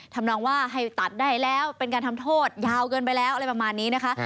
ทำนองว่าให้ตัดได้แล้วเป็นการทำโทษยาวเกินไปแล้วอะไรประมาณนี้นะคะ